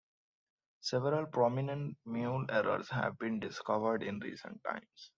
Several prominent mule errors have been discovered in recent times.